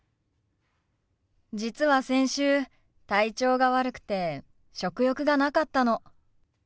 実は先週体調が悪くて食欲がなかったの。